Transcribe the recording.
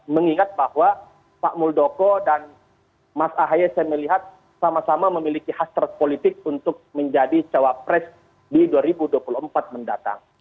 mengingat bahwa pak muldoko dan mas ahaye saya melihat sama sama memiliki hasrat politik untuk menjadi cawapres di dua ribu dua puluh empat mendatang